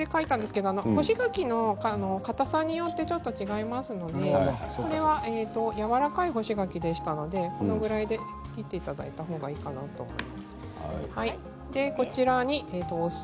細切りと書いたんですが干し柿のかたさによって違いますのでやわらかい干し柿でしたのでこのぐらいで切っていただいたほうがいいかなと思います。